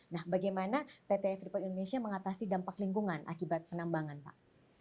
nah bagaimana pt freeport indonesia mengatasi dampak lingkungan akibat penambangan pak